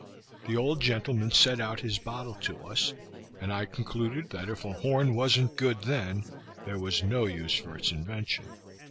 The old gentleman set out his bottle to us, and I concluded that if a horn wasn't good then, there was no use for its invention.